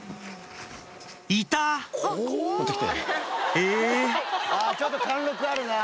えちょっと貫禄あるな。